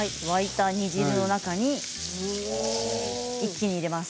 沸いた煮汁の中に一気に入れます。